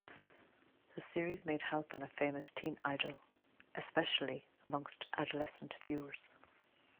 The series made Halpin a famous teen idol especially among adolescent viewers.